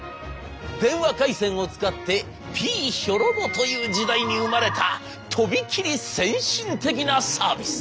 電話回線を使ってピーヒョロロという時代に生まれたとびきり先進的なサービス。